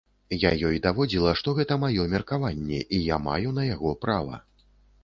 Я ёй даводзіла, што гэта маё меркаванне, і я маю на яго права.